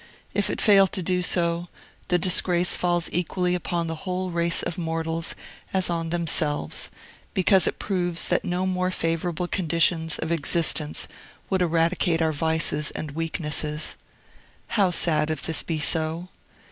If it fail to do so, the disgrace falls equally upon the whole race of mortals as on themselves; because it proves that no more favorable conditions of existence would eradicate our vices and weaknesses. How sad, if this be so!